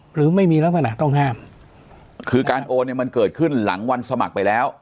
หรือไม่มีลักษณะต้องห้ามคือการโอนเนี่ยมันเกิดขึ้นหลังวันสมัครไปแล้ว